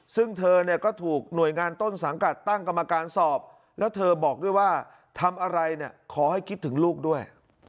ซึ่งเธอเนี่ยก็ถูกหน่วยงานต้นสังกัดตั้งกรรมการสอบแล้วเธอบอกด้วยว่าทำอะไรเนี่ยขอให้คิดถึงลูกด้วย